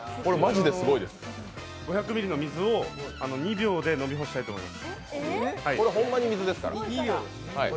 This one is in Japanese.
５００ミリの水を２秒で飲み干したいと思います。